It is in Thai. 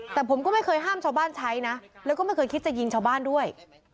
แต่ผมก็ไม่เคยห้ามชาวบ้านใช้นะแล้วก็ไม่เคยคิดจะยิงชาวบ้านด้วย